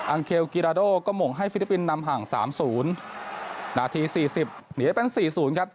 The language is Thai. เคลกิราโดก็หม่งให้ฟิลิปปินส์นำห่างสามศูนย์นาทีสี่สิบหนีเป็นสี่ศูนย์ครับ